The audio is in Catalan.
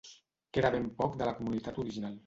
Queda ben poc de la comunitat original.